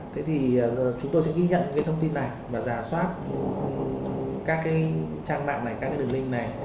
thế thì chúng tôi sẽ ghi nhận cái thông tin này và giả soát các cái trang mạng này các cái đường link này